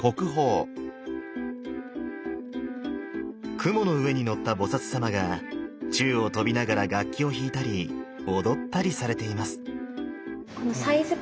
雲の上に乗った菩様が宙を飛びながら楽器を弾いたり踊ったりされています。